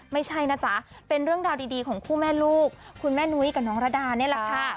ไม่ใช่นะจ๊ะเป็นเรื่องราวดีของคู่แม่ลูกคุณแม่นุ้ยกับน้องระดานี่แหละค่ะ